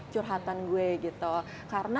curhatan gue gitu karena